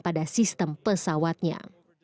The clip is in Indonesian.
pada sistem pesawatnya